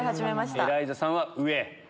エライザさんは上。